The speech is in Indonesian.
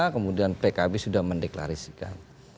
kemudian pkb sudah mendeklarisikan